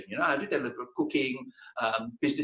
tetapi tiga tahun kemudian saya mulai berbisnis